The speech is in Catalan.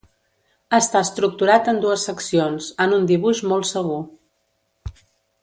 Està estructurat en dues seccions, en un dibuix molt segur.